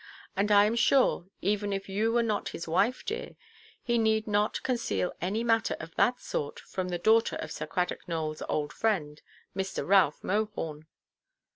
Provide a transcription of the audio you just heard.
And I am sure, even if you were not his wife, dear, he need not conceal any matter of that sort from the daughter of Sir Cradock Nowellʼs old friend, Mr. Ralph Mohorn."